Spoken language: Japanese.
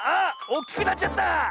おっきくなっちゃった！